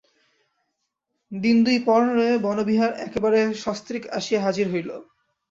দিনদুই পরে বনবিহার একেবারে সস্ত্রীক আসিয়া হাজির হইল।